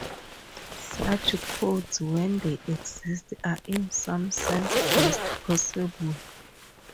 Such codes, when they exist, are in some sense best possible.